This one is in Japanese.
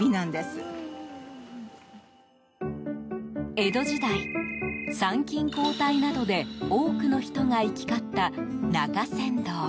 江戸時代、参勤交代などで多くの人が行き交った中山道。